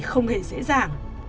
không hề dễ dàng